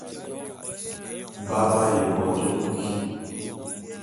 Ba b'aye bo te kui.